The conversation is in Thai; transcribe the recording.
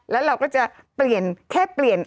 แล้วเราก็จะเปลี่ยนแค่เปลี่ยน